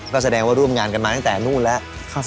ก็แสดงว่าร่วมงานกันมาตั้งแต่นู่นแล้ว